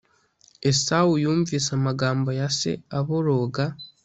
esawu yumvise amagambo ya se aboroga